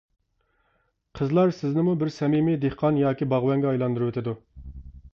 قىزلار سىزنىمۇ بىر سەمىمىي دېھقان ياكى باغۋەنگە ئايلاندۇرۇۋېتىدۇ.